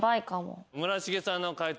村重さんの解答